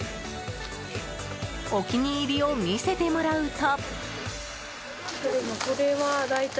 お気に入りを見せてもらうと。